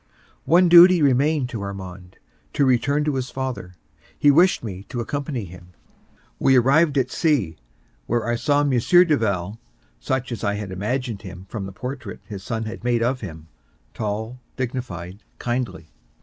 One duty remained to Armand—to return to his father. He wished me to accompany him. We arrived at C., where I saw M. Duval, such as I had imagined him from the portrait his son had made of him, tall, dignified, kindly.